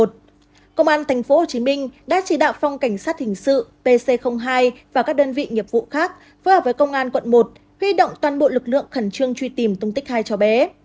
công an tp hcm đã chỉ đạo phòng cảnh sát hình sự pc hai và các đơn vị nghiệp vụ khác phối hợp với công an quận một huy động toàn bộ lực lượng khẩn trương truy tìm tung tích hai cháu bé